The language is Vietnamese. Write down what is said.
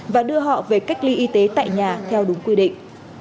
và đưa họ về cách ly y tế tại nhà theo đúng quy định